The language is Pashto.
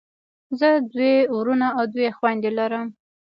زه دوه وروڼه او دوه خویندی لرم.